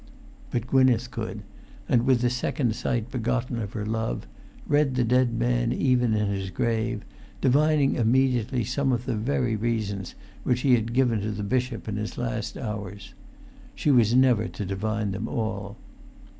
But Gwynneth could; and, with the second sight begotten of her love, read the dead man even in his grave, divining immediately some of the very reasons which he had given to the bishop in his last hours. She was never to divine them all.